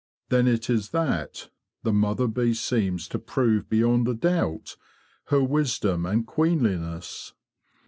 Then it is that the mother bee seems to prove beyond a doubt her wisdom and queenliness.